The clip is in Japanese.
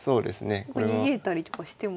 逃げたりとかしても。